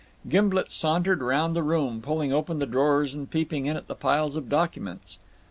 Gimblet sauntered round the room, pulling open the drawers and peeping in at the piles of documents.